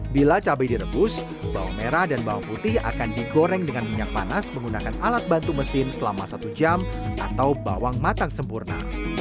bila cabai direbus bawang merah dan bawang putih akan digoreng dengan minyak panas menggunakan alat bantu mesin selama satu jam atau bawang matang sempurna